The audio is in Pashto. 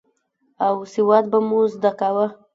او سواد به مو زده کاوه.